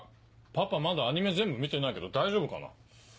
パパまだアニメ全部見てないけど大丈夫かな？